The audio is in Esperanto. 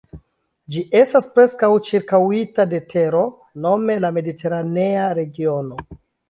Ĝi estas preskaŭ ĉirkaŭita de tero, nome la Mediteranea regiono.